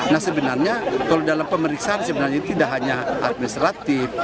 nah sebenarnya kalau dalam pemeriksaan sebenarnya tidak hanya administratif